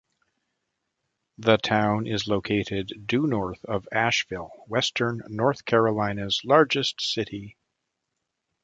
The town is located due north of Asheville, western North Carolina's largest city.